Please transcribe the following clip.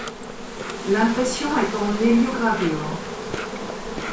L'impression est en héliogravure.